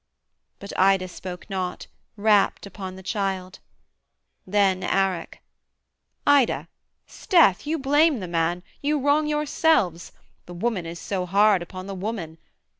But Ida spoke not, rapt upon the child. Then Arac. 'Ida 'sdeath! you blame the man; You wrong yourselves the woman is so hard Upon the woman.